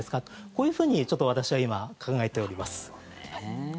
こういうふうに私は今考えております。